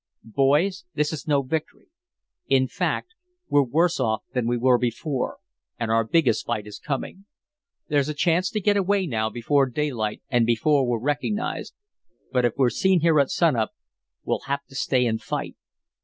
"Boys, this is no victory. In fact, we're worse off than we were before, and our biggest fight is coming. There's a chance to get away now before daylight and before we're recognized, but if we're seen here at sun up we'll have to stay and fight.